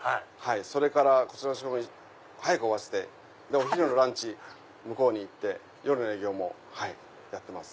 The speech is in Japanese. それからこちらの仕込み早く終わらせてお昼のランチ向こうに行って夜の営業もやってます。